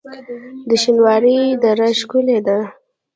د شینوارو دره ښکلې ده